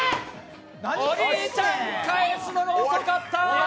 お兄ちゃん、返すのが遅かった。